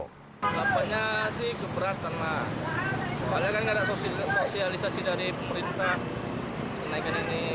kenaikan ini dimiliki sebagian dari pemerintah